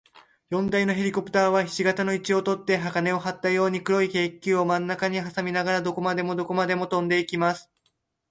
四台のヘリコプターは、ひし形の位置をとって、綱をはったように、黒い軽気球をまんなかにはさみながら、どこまでもどこまでもとんでいきます。